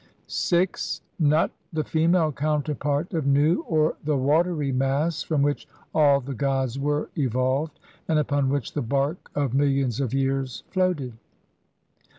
6. Nut, the female counterpart of Nu, or the watery mass from which all the gods were evolved, and upon which the "Bark of millions of years floated".